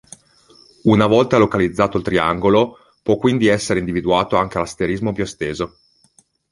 Una volta localizzato il triangolo, può quindi essere individuato anche l'asterismo più esteso.